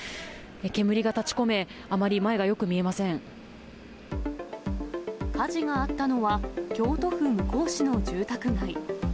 煙が立ちこめ、あまり前がよく見火事があったのは、京都府向日市の住宅街。